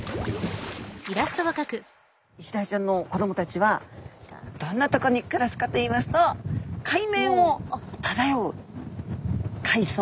イシダイちゃんの子どもたちはどんなとこに暮らすかといいますと海面をただよう海藻。